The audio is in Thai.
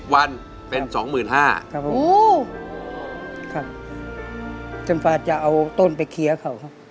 สวัสดีครับ